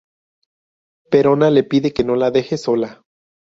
Perona le pide que no la deje sola.